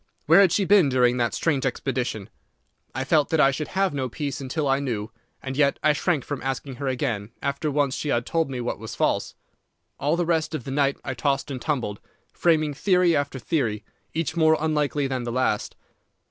Where had she been during that strange expedition? I felt that I should have no peace until I knew, and yet I shrank from asking her again after once she had told me what was false. All the rest of the night I tossed and tumbled, framing theory after theory, each more unlikely than the last.